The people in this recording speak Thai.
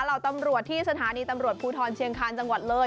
เหล่าตำรวจที่สถานีตำรวจภูทรเชียงคาญจังหวัดเลย